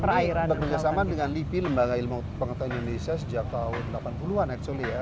kami bekerjasama dengan lipi lembaga ilmu pengetahuan indonesia sejak tahun delapan puluh an at sole ya